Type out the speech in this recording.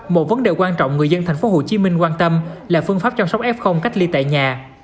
một vấn đề quan trọng người dân tp hcm quan tâm là phương pháp chăm sóc f cách ly tại nhà